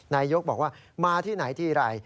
นายยกบอกว่ามาที่ไหนทีไร